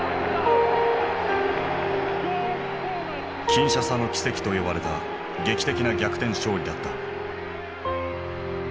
「キンシャサの奇跡」と呼ばれた劇的な逆転勝利だった。